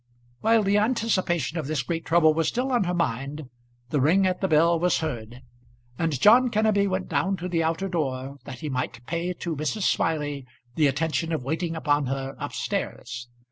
While the anticipation of this great trouble was still on her mind, the ring at the bell was heard, and John Kenneby went down to the outer door that he might pay to Mrs. Smiley the attention of waiting upon her up stairs.